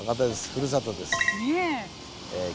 ふるさとです。